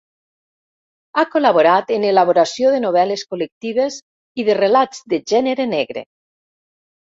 Ha col·laborat en l'elaboració de novel·les col·lectives i de relats de gènere negre.